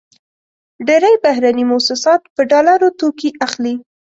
ډېری بهرني موسسات په ډالرو توکې اخلي.